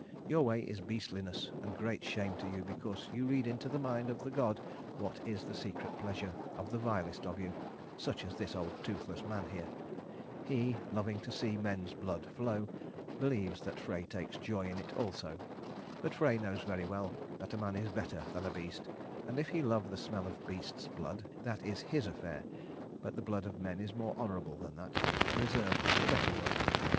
Your way is beastliness and great shame to you because you read into the mind of the God what is the secret pleasure of the vilest of you, such as this old toothless man here. He, loving to see men's blood flow, believes that Frey takes joy in it also. But Frey knows very well that a man is better than a beast, and if he love the smell of beasts' blood, that is his affair, but the blood of men is more honourable than that, and reserved for better work.